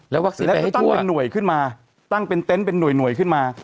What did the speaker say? แล้วเขาตั้งเป็นหน่วยขึ้นมาตั้งเป็นเต็นต์เป็นหน่วยขึ้นมา